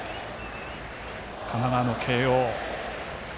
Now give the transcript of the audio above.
神奈川の慶応。